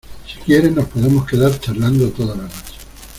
si quieres, nos podemos quedar charlando toda la noche.